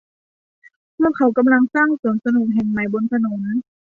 พวกเขากำลังสร้างสวนสนุกแห่งใหม่บนถนน